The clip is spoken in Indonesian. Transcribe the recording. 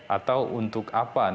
atau untuk apa